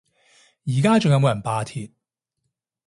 而家仲有冇人罷鐵？